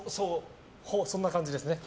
そんな感じです。